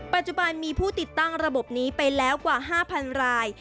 ปัจจุบันมีผู้ติดตั้งระบบนี้ไปแล้วกว่า๕๐๐ราย